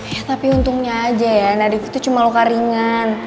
ya tapi untungnya aja ya narik itu cuma luka ringan